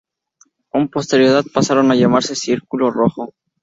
Con posterioridad pasaron a llamarse "Círculo Rojo".